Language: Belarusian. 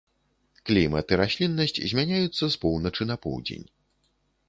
Клімат і расліннасць змяняюцца з поўначы на поўдзень.